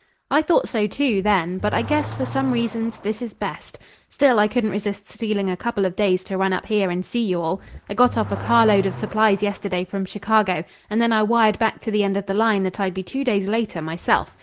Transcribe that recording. "I thought so, too, then; but I guess for some reasons this is best. Still, I couldn't resist stealing a couple of days to run up here and see you all. I got off a carload of supplies yesterday from Chicago, and then I wired back to the end of the line that I'd be two days later myself.